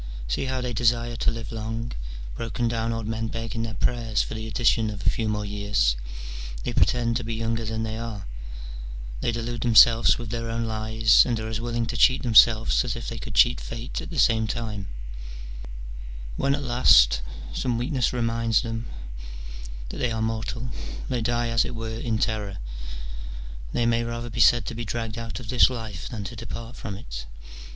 see how they desire to live long : broken down old men beg in their prayers for the addition of a few more years : they pretend to be younger than they are : they delude themselves with their own lies, and are as willing to cheat themselves as if they could cheat Fate at the same time : when at last some weakness reminds them that they 304 MINOR DIALOGUES. [bk. X. are mortal, they die as it were in terror : they may rather be said to be dragged out of this life than to depart from it.